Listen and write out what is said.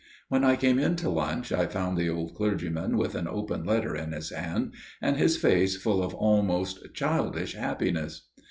When I came in to lunch I found the old clergyman with an open letter in his hand, and his face full of almost childish happiness.